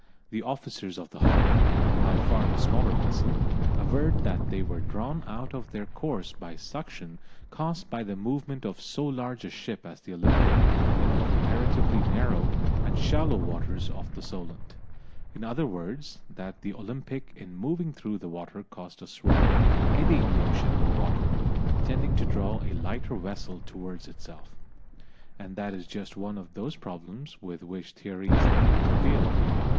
The officers of the Hawke, by far the smaller vessel, averred that they were drawn out of their course by suction caused by the movement of so large a ship as the Olympic in the comparatively narrow and shallow waters of the Solent; in other words, that the Olympic in moving through the water caused a swirling, eddying motion in the water, tending to draw a lighter vessel towards itself. And that is just one of those problems with which theory is unable to deal.